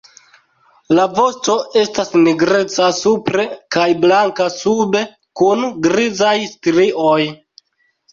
La vosto estas nigreca supre kaj blanka sube kun grizaj strioj.